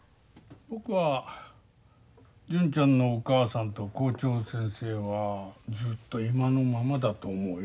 僕は純ちゃんのお母さんと校長先生はずっと今のままだと思うよ。